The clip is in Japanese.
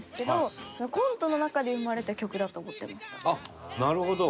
あっなるほど！